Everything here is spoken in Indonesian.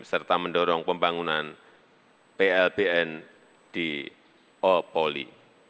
serta mendorong pembangunan plbn di opoli